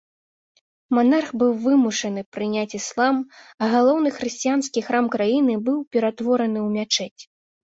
Манарх быў вымушаны прыняць іслам, а галоўны хрысціянскі храм краіны быў пераўтвораны ў мячэць.